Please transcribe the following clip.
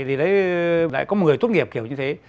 thì lại có người tốt nghiệp kiểu như thế